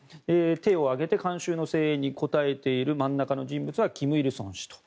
手を上げて観衆の声援に応えている真ん中の人物は金日成氏と。